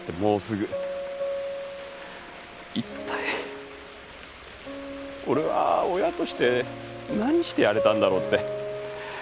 一体俺は親として何してやれたんだろうって。